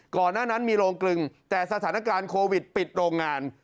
ก่อนหน้านั้นมีโรงกลึงแต่สถานการณ์โควิดปิดโรงงาน